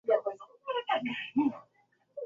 Dalili nyingine ni homa inayoweza kudumu kwa wiki kadhaa